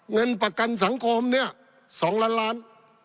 เงินประกันสังคมเนี่ย๒ล้านล้าน